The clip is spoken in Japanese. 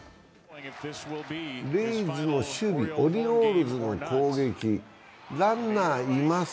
レイズの守備、オリオールズの攻撃ランナーいます。